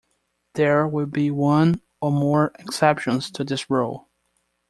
There will be one or more exceptions to this rule.